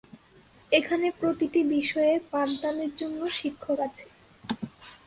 এখানে প্রতিটি বিষয়ে পাঠদানের জন্য শিক্ষক আছে।